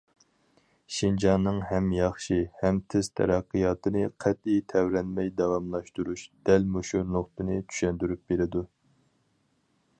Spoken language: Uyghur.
شىنجاڭنىڭ ھەم ياخشى، ھەم تېز تەرەققىياتىنى قەتئىي تەۋرەنمەي داۋاملاشتۇرۇش دەل مۇشۇ نۇقتىنى چۈشەندۈرۈپ بېرىدۇ.